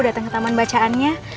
datang ke taman bacaannya